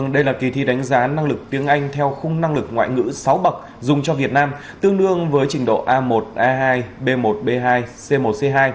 đây là kỳ thi đánh giá năng lực tiếng anh theo khung năng lực ngoại ngữ sáu bậc dùng cho việt nam tương đương với trình độ a một a hai b một b hai c một c hai